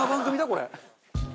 これ。